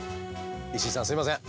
石井さんすみません。